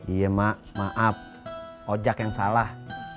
iya mak maaf ojek yang salah